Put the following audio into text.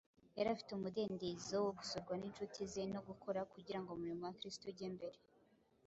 yari afite umudendezo wo gusurwa n’incuti ze no gukora kugira ngo umurimo wa Kristo ujye mbere.